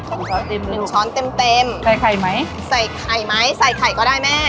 ช้อนเต็มหนึ่งช้อนเต็มเต็มใส่ไข่ไหมใส่ไข่ไหมใส่ไข่ก็ได้แม่